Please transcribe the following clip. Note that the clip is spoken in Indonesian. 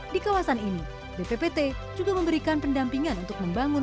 di kawasan ini bppt juga memberikan pendampingan untuk membangun